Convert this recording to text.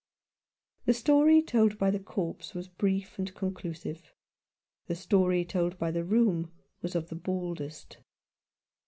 The story told by the corpse was brief and con clusive. The story told by the room was of the baldest.